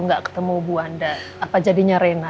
gak ketemu bu wanda apa jadinya rena